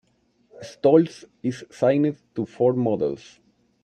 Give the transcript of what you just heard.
Stolz is signed to Ford Models.